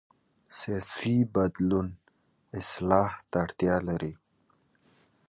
سیاسي بدلون اصلاح ته اړتیا لري